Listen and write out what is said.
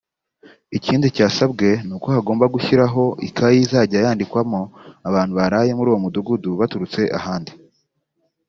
Ikindi cyasabwe ni uko hagomba gushyiraho ikayi izajya yandikwamo abantu baraye muri uwo Mudugudu baturutse ahandi